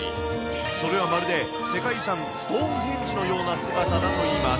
それはまるで、世界遺産、ストーンヘンジのような姿だといいます。